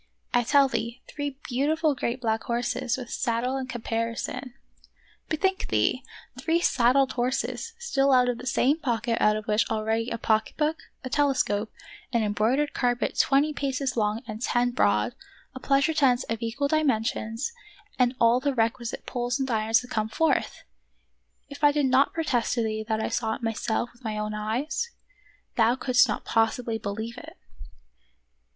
I tell thee, three beauti ful great black horses, with saddle and caparison. of Peter Schlemihl. 9 Bethink thee ! three saddled horses, still out of the same pocket out of which already a pocket book, a telescope, an embroidered carpet twenty paces long and ten broad, a pleasure tent of equal dimensions, and all the requisite poles and irons had come forth ! If I did not protest to thee that I saw it myself with my own eyes, thou couldst not possibly believe it.